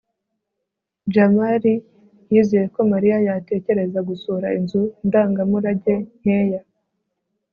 jamali yizeye ko mariya yatekereza gusura inzu ndangamurage nkeya